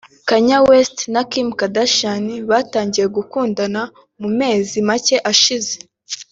Kanye West na Kim Kardashian batangiye gukundana mu mezi make ashize